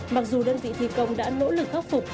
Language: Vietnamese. mặc dù đơn vị thi công đã nỗ lực khắc phục